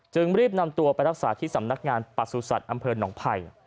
จึงรีบนำตัวไปทักษะที่สำนักงานปรัสสุสัตว์อำเภิญหนองไพ่